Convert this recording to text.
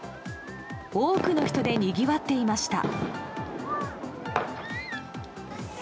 多くの人でにぎわっていました。